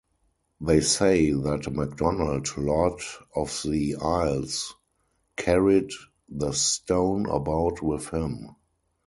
They say that Macdonald, Lord of the Isles, carried this stone about with him.